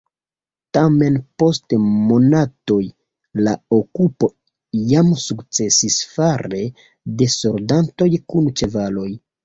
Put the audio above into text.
Tamen post monatoj la okupo jam sukcesis fare de soldatoj kun ĉevaloj.